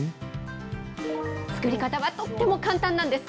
作り方はとっても簡単なんです。